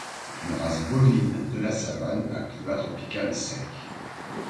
C'est une race bovine de la savane à climat tropical sec.